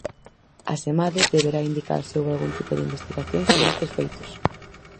Asemade, deberá indicar se houbo algún tipo de "investigación" sobre estes feitos.